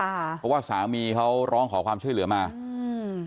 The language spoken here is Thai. เพราะว่าสามีเขาร้องขอความช่วยเหลือมาอืม